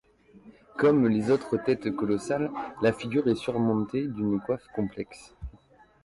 Comme les autres têtes colossales, la figure est surmontée d'une coiffe complexe.